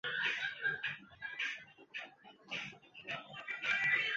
中间经过萨莱诺等城市。